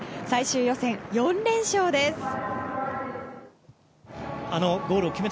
最終予選４連勝です。